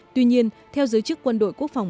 tuy nhiên theo giới chức quân đội quốc phòng